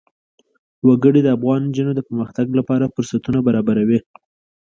وګړي د افغان نجونو د پرمختګ لپاره فرصتونه برابروي.